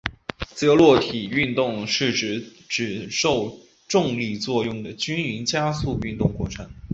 自由落体运动是指只受重力作用的均匀加速度运动过程。